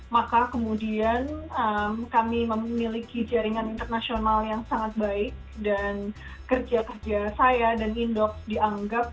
maka kemudian kami memiliki jaringan internasional yang sangat baik dan kerja kerja saya dan indoks dianggap